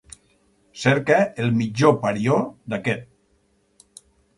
Cerca el mitjó parió d'aquest.